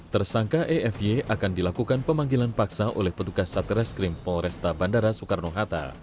tersangka efy akan dilakukan pemanggilan paksa oleh petugas satreskrim polresta bandara soekarno hatta